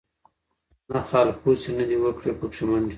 نه خالپوڅي نه دي وکړې پکښی منډي